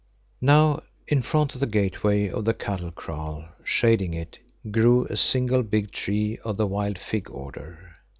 Now in front of the gateway of the cattle kraal, shading it, grew a single big tree of the wild fig order.